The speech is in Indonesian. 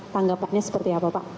tanggapannya seperti apa pak